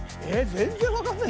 全然わかんない。